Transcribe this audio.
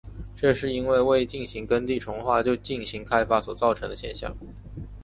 这是因为未进行耕地重划就进行开发所造成的现象。